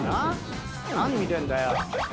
「何見てんだよ」